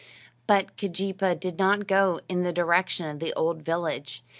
But Keejeepaa did not go in the direction of the old village.